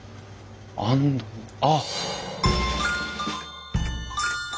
あっ！